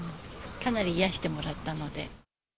かなり癒やしてもらったので。